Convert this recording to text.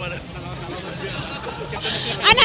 ไปต้องเอาแบบนั้น